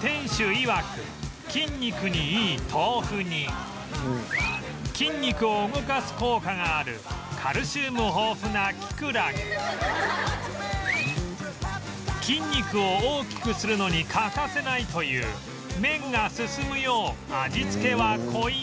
店主いわく筋肉にいい豆腐に筋肉を動かす効果があるカルシウム豊富なキクラゲ筋肉を大きくするのに欠かせないという麺が進むよう味付けは濃いめ